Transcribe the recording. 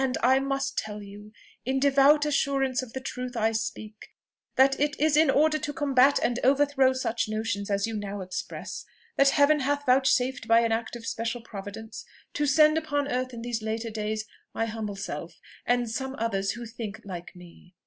and I must tell you, in devout assurance of the truth I speak, that it is in order to combat and overthrow such notions as you now express, that Heaven hath vouchsafed, by an act of special providence, to send upon earth in these later days my humble self, and some others who think like me."